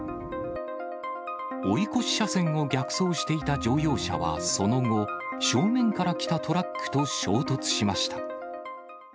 追い越し車線を逆走していた乗用車はその後、正面から来たトラックと衝突しました。